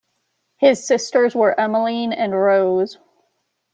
His sisters were Emmaline and Rose.